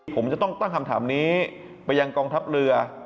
ผมจะต้องตั้งคำถามนี้ไปยังกองทัพเรือ